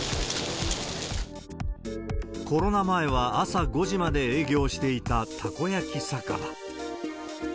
コロナ前は朝５時まで営業していたたこ焼き酒場。